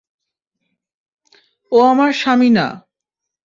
ও আমার স্বামী না।